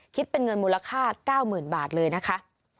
คิดเป็นเงินมูลค่า๙๐๐๐บาทเลยนะคะ